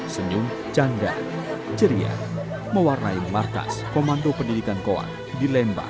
senyum canda ceria mewarnai markas komando pendidikan koan di lembang